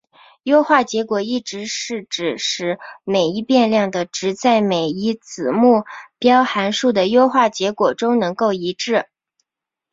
优化结果一致是指使每一变量的值在每一子目标函数的优化结果中能够一致。